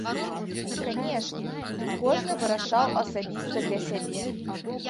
Канешне, тут кожны вырашаў асабіста для сябе.